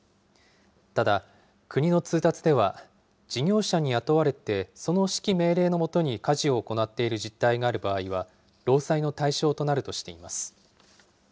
ただ国の通達では、事業者に雇われて、その指揮命令の下に家事を行っている実態がある場合は、労災の対象となるとしています。